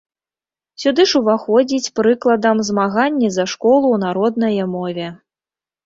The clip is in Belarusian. Сюды ж уваходзіць, прыкладам, змаганне за школу на роднае мове.